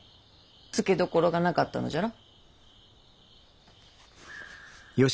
つけどころがなかったのじゃろ。